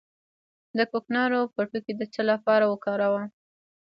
د کوکنارو پوټکی د څه لپاره وکاروم؟